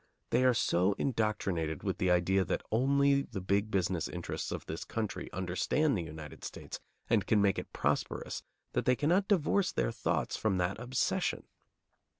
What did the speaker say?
They are so indoctrinated with the idea that only the big business interests of this country understand the United States and can make it prosperous that they cannot divorce their thoughts from that obsession.